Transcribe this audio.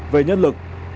về nhân lực